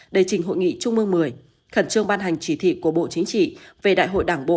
đề trình hội nghị trung mương một mươi khẩn trương ban hành chỉ thị của bộ chính trị về đại hội đảng bộ